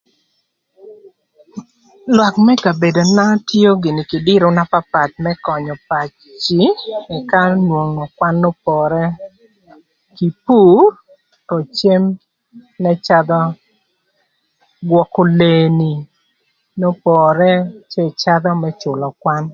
Lwak më kabedona tio gïnï kï dïrü na papath më könyö paci ëka nwongo kwan n'opore kï puro cem n'ëcadhö, gwökö leeni n'opore cë ëcadhö më cülö kwan.